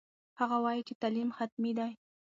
هغه وایي چې تعلیم حتمي دی.